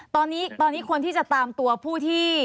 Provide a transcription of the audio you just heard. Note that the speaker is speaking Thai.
ตอนนี้คนที่จะตามตัวผู้ที่